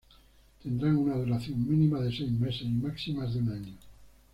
Tendrán una duración mínima de seis meses y máxima de un año.